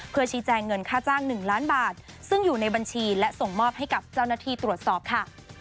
เพื่อชี้แจงเงินค่าจ้าง๑ล้านบาทซึ่งอยู่ในบัญชีและส่งมอบให้กับเจ้าหน้าที่ตรวจสอบค่ะ